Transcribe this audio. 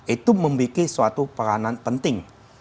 itu membuat suatu peranan penting